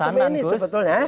momentum ini sebetulnya